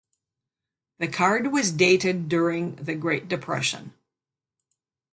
The card was dated during the "Great Depression".